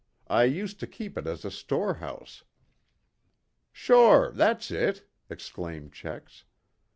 I used to keep it as a storehouse." "Sure, that's it," exclaimed Checks.